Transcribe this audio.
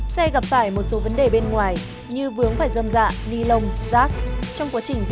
xe gặp phải một số vấn đề bên ngoài như vừa gặp vấn đề bên ngoài vừa gặp vấn đề bên ngoài vừa gặp vấn đề bên ngoài vừa gặp vấn đề bên ngoài